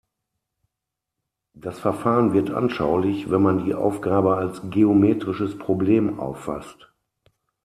Das Verfahren wird anschaulich, wenn man die Aufgabe als geometrisches Problem auffasst.